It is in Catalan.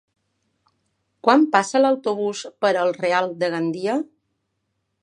Quan passa l'autobús per el Real de Gandia?